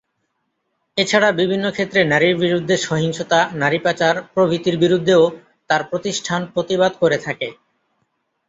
এছাড়া বিভিন্ন ক্ষেত্রে নারীর বিরুদ্ধে সহিংসতা, নারী পাচার প্রভৃতির বিরুদ্ধেও তার প্রতিষ্ঠান প্রতিবাদ করে থাকে।